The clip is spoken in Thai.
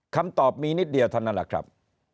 คำตอบมีนิดเดียวเท่านั้นแหละครับ